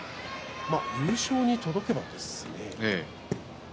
優勝に届けばですね。